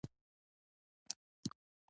بیا ځلې چوکاټ کوونه